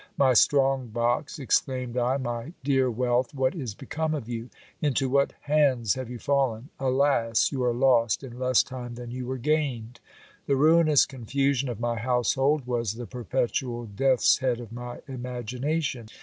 My strong box, exclaimed I, my dear wealth, what is become of you ? Into what hands have you fallen ? Alas ! you are lost in less time than you were gained ! The ruinous confusion of my household was the perpetual death's head of my imagination.